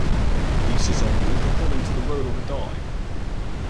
Pieces are moved according to the roll of a die.